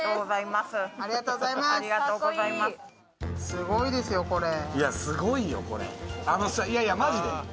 すごいですよ、これ。